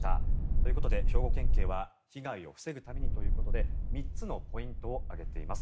ということで、兵庫県警は被害を防ぐためにということで３つのポイントを挙げています。